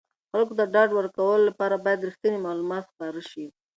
خلکو ته د ډاډ ورکولو لپاره باید رښتیني معلومات خپاره شي.